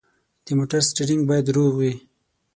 د موټر سټیرینګ باید روغ وي.